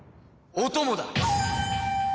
お供だ！